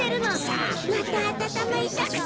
また温まりたくて。